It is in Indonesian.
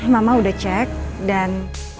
mama udah cek dan